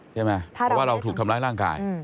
เพราะว่าเราถูกทำร้ายร่างกาย